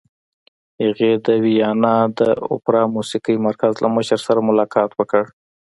هغې د ویانا د اوپرا موسیقۍ مرکز له مشر سره ملاقات وکړ